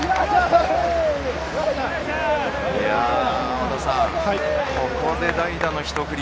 和田さん、ここで代打の一振り